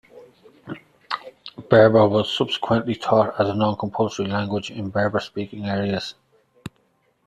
Berber was subsequently taught as a non-compulsory language in Berber speaking areas.